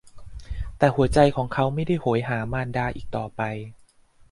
แต่หัวใจของเขาไม่ได้โหยหามารดาอีกต่อไป